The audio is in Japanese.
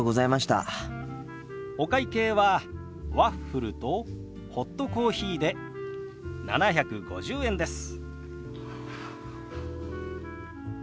お会計はワッフルとホットコーヒーで７５０円です。